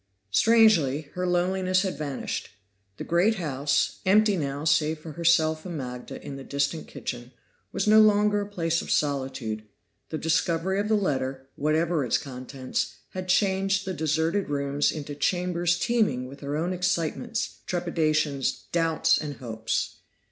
Strangely, her loneliness had vanished. The great house, empty now save for herself and Magda in the distant kitchen, was no longer a place of solitude; the discovery of the letter, whatever its contents, had changed the deserted rooms into chambers teeming with her own excitements, trepidations, doubts, and hopes.